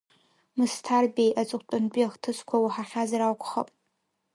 Мысҭарбеи, аҵыхәтәантәи ахҭысқәа уаҳахьазар акәхап…